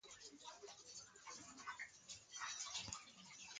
آتشین جولان